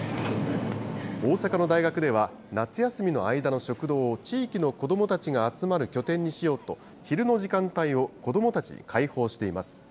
大阪の大学では、夏休みの間の食堂を地域の子どもたちが集まる拠点にしようと、昼の時間帯を子どもたちに開放しています。